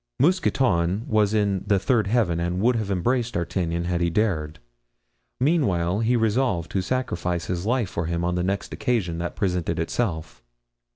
Mousqueton was in the third heaven and would have embraced D'Artagnan had he dared; meanwhile he resolved to sacrifice his life for him on the next occasion that presented itself.